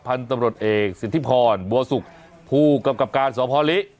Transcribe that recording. พันธุ์ตำรวจเอกสิทธิพรบัวสุกผู้กำกับการสพลิ